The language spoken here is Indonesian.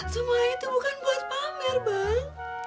semua itu bukan buat pamer bang